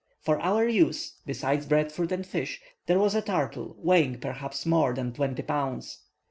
For our use, besides bread fruit and fish, there was a turtle weighing perhaps more than twenty pounds.